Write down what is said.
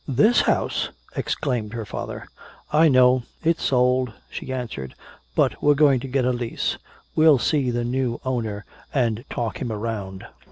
"This house?" exclaimed her father. "I know it's sold," she answered. "But we're going to get a lease. We'll see the new owner and talk him around."